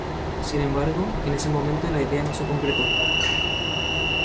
Sin embargo, en ese momento la idea no se concretó.